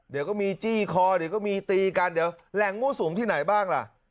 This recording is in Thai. เดี๋ยวก็มีจี้คอเดี๋ยวก็มีตีกันเดี๋ยวแหล่งมั่วสุมที่ไหนบ้างล่ะ